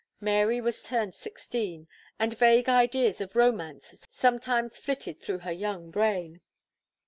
Mary was turned sixteen; and vague ideas of romance sometimes fitted through her young brain.